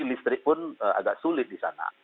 listrik pun agak sulit di sana